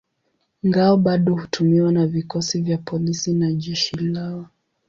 Ngao bado hutumiwa na vikosi vya polisi na jeshi leo.